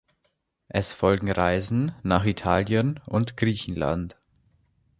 Es folgen Reisen nach Italien und Griechenland.